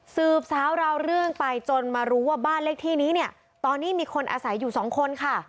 สืบสาวราวเรื่องไปจนมารู้ว่าบ้านเลขที่นี้เนี่ยตอนนี้มีคนอาศัยอยู่สองคนค่ะ